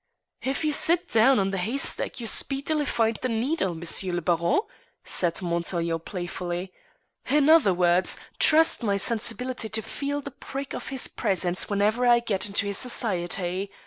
"If you sit down on the haystack you speedily find the needle, M. le Baron," said Montaiglon playfully. "In other words, trust my sensibility to feel the prick of his presence whenever I get into his society.